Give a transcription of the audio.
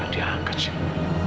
aduh akan dia angkat siang